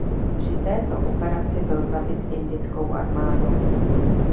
Při této operaci byl zabit indickou armádou.